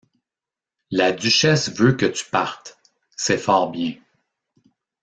La duchesse veut que tu partes, c’est fort bien.